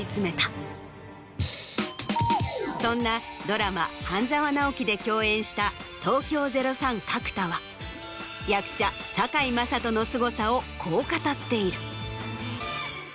そんなドラマ『半沢直樹』で共演した東京０３・角田は役者。をこう語っている。